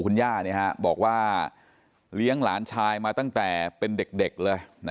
คุณย่าบอกว่าเลี้ยงหลานชายมาตั้งแต่เป็นเด็กเลย